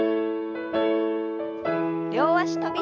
両脚跳び。